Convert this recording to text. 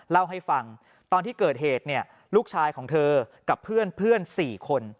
เล่าให้ฟังตอนที่เกิดเหตุเนี่ยลูกชายของเธอกับเพื่อน๔คน